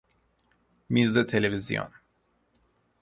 میز تلویزیون